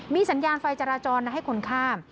มีสัญญาณไฟจราจรให้คนข้าม